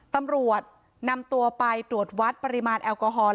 ตำรวจนำตัวไปตรวจวัดปริมาณแอลกอฮอล์